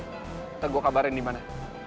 kita gua kabarin dimana